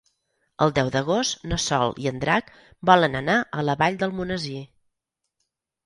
El deu d'agost na Sol i en Drac volen anar a la Vall d'Almonesir.